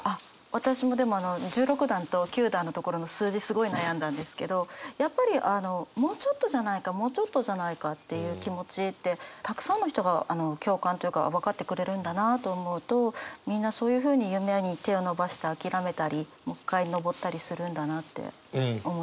私もでもあの十六段と九段のところの数字すごい悩んだんですけどやっぱりあのもうちょっとじゃないかもうちょっとじゃないかっていう気持ちってたくさんの人が共感というか分かってくれるんだなと思うとみんなそういうふうに夢に手を伸ばして諦めたりもう一回上ったりするんだなって思います。